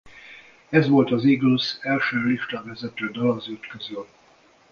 Ez volt az Eagles első listavezető dala az öt közül.